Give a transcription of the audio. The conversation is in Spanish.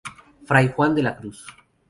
Fray Juan de la cruz".